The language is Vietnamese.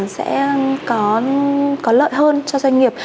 sẽ có lợi hơn cho doanh nghiệp